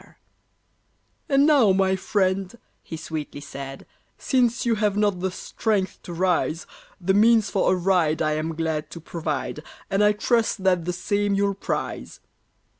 "And now, my friend," he sweetly said, "Since you have not the strength to rise, The means for a ride I am glad to provide, And I trust that the same you'll prize!"